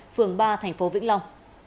phường ba tp hcm